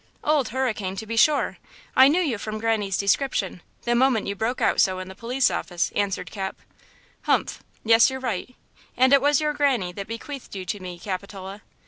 "Old Hurricane, to be sure. I knew you from Granny's description, the moment you broke out so in the police office," answered Cap. "Humph! Yes, you're right; and it was your Granny that bequeathed you to me, Capitola."